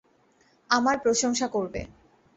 আমার প্রশংসা করবে।